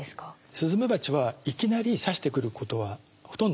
スズメバチはいきなり刺してくることはほとんどありません。